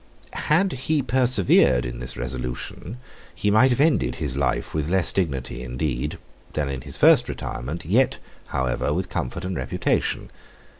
Had he persevered in this resolution, he might have ended his life with less dignity, indeed, than in his first retirement, yet, however, with comfort and reputation.